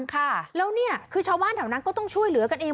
ค่ะแล้วเนี่ยคือชาวบ้านแถวนั้นก็ต้องช่วยเหลือกันเอง